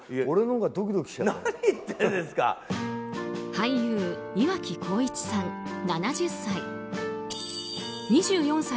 俳優・岩城滉一さん、７０歳。